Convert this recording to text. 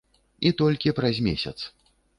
І толькі праз месяц.